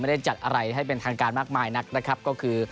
ไม่ได้จัดอะไรให้เป็นทางการมากมายก็คือ